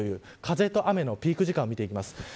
風と雨のピーク時間を見ていきます。